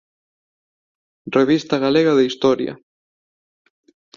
Revista Galega de Historia".